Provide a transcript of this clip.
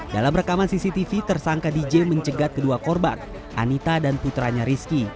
dalam rekaman cctv tersangka dj mencegat kedua korban anita dan putranya rizky